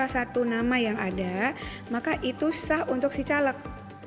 satu nama yang ada maka itu sah untuk si caleg